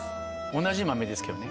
同じ豆ですけどね。